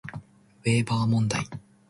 ウェーバー問題